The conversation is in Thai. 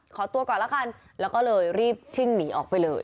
ขอตัวก่อนแล้วกันแล้วก็เลยรีบชิ่งหนีออกไปเลย